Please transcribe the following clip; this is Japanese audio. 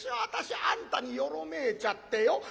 私あんたによろめいちゃってよ。